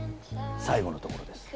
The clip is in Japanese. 最後のところです。